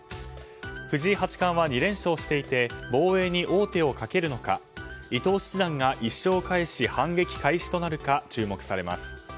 藤井八冠は２連勝していて防衛に王手をかけるのか伊藤七段が１勝を返し反撃開始となるか注目されます。